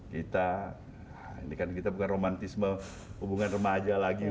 kita ini kan kita bukan romantisme hubungan remaja lagi